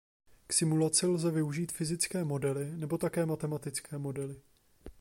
K simulaci lze využít fyzické modely nebo také matematické modely.